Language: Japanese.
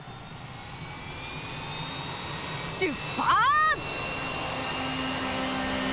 しゅっぱつ！